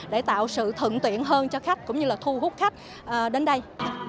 để tạo sự thận tuyển hơn cho khách cũng như là thu hút khách đến đây